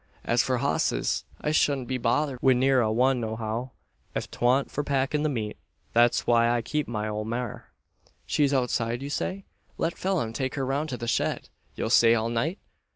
As for hosses, I shodn't be bothered wi' ne'er a one no how, ef twa'n't for packin' the meat: thet's why I keep my ole maar." "She's outside, you say? Let Phelim take her round to the shed. You'll stay all night?"